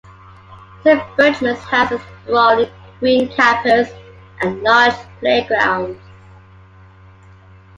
Saint Berchmans' has a sprawling green campus and large play grounds.